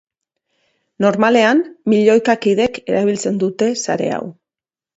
Normalean, milioika kidek erabiltzen dute sare hau.